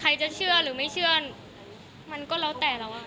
จะเชื่อหรือไม่เชื่อมันก็แล้วแต่เราอ่ะ